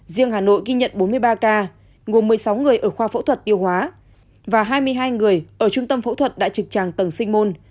riêng hà nội ghi nhận bốn mươi ba ca gồm một mươi sáu người ở khoa phẫu thuật yêu hóa và hai mươi hai người ở trung tâm phẫu thuật đại trực tràng tầng sinh môn